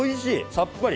さっぱり！